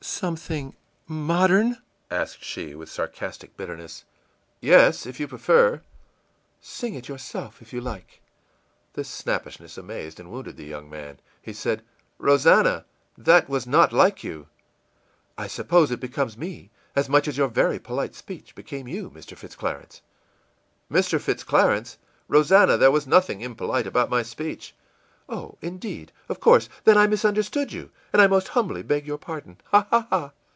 î ìSomething modern?î asked she, with sarcastic bitterness. ìYes, if you prefer.î ìSing it yourself, if you like!î This snappishness amazed and wounded the young man. He said: ìRosannah, that was not like you.î ìI suppose it becomes me as much as your very polite speech became you, Mr. Fitz Clarence.î ìMister Fitz Clarence! Rosannah, there was nothing impolite about my speech.î ìOh, indeed! Of course, then, I misunderstood you, and I most humbly beg your pardon, ha ha ha!